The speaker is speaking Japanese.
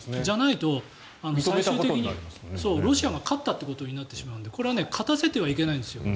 じゃないと最終的にロシアが勝ったということになるのでこれは勝たせてはいけないんです